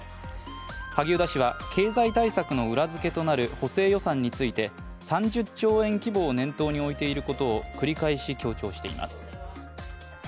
萩生田氏は経済対策の裏づけとなる補正予算について３０兆円規模を念頭に置いていることを繰り返し強調しています。